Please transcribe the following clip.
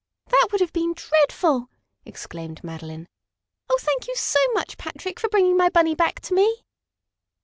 "That would have been dreadful!" exclaimed Madeline. "Oh, thank you, so much, Patrick, for bringing my Bunny back to me."